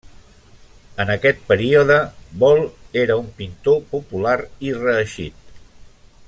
En aquest període, Bol era un pintor popular i reeixit.